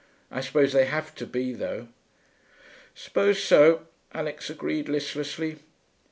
'I suppose they have to be, though.' 'Suppose so,' Alix agreed listlessly.